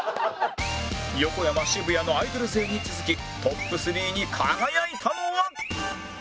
横山渋谷のアイドル勢に続きトップ３に輝いたのは？